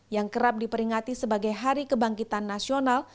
yang kerap diperingati sebagai hari kebangkitan nasional